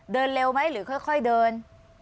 เดินเร็วไหมหรือค่อยเดิน